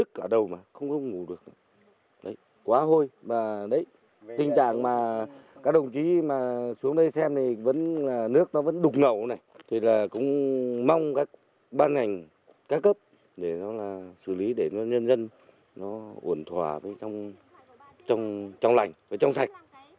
các cấp xử lý để nhân dân ổn thỏa trong lành trong sạch